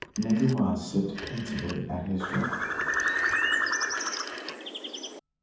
Negu Mah sipped pensively at his drink.